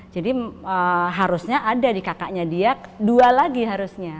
jadi harusnya ada di kakaknya dia dua lagi harusnya